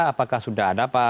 apakah sudah ada pak